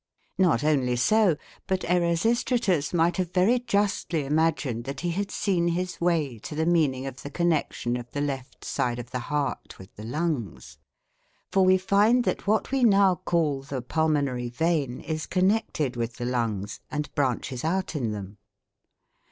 Not only so, but Erasistratus might have very justly imagined that he had seen his way to the meaning of the connection of the left side of the heart with the lungs; for we find that what we now call the pulmonary vein is connected with the lungs, and branches out in them (Fig.